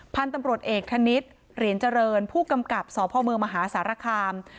พันธุ์ตำรวจเอกธนิษฐ์เหรียญเจริญผู้กำกับสพเมืองมหาสารคาม